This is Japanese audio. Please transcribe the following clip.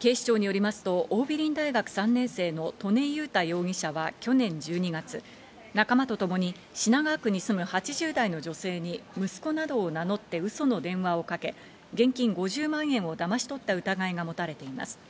警視庁によりますと桜美林大学３年生の刀禰雄太容疑者は去年１２月、仲間とともに品川区に住む８０代の女性に息子などを名乗ってウソの電話をかけ、現金５０万円をだまし取った疑いが持たれています。